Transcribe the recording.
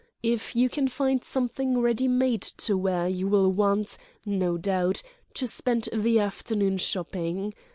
If you can find something ready made to wear you will want, no doubt, to spend the afternoon shopping.